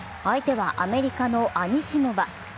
相手はアメリカのアニシモバ。